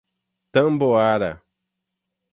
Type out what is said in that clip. Tamboara